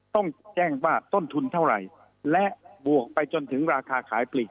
ต้องแจ้งว่าต้นทุนเท่าไหร่และบวกไปจนถึงราคาขายปลีก